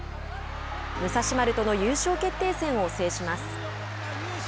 武蔵丸との優勝決定戦を制します。